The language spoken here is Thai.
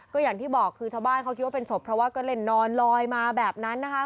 ก็อย่างที่บอกคือชาวบ้านเขาคิดว่าเป็นศพเพราะว่าก็เล่นนอนลอยมาแบบนั้นนะคะ